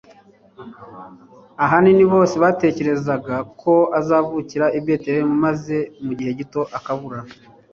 Ahanini bose batekerezaga ko azavukira i Betelehemu, maze mu gihe gito akabura;